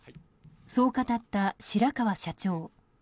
そう語った白川社長。